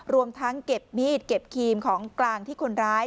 รวมทั้งเก็บมีดเก็บครีมของกลางที่คนร้าย